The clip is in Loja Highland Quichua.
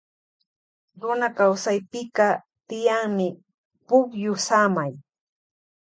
Runa kawsaypika tiyanmi pukyu samay.